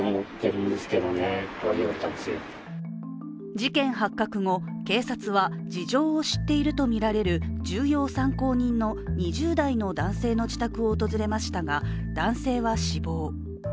事件発覚後、警察は事情を知っているとみられる重要参考人の２０代の男性の自宅を訪れましたが男性は死亡。